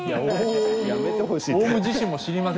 「やめてほしい」って。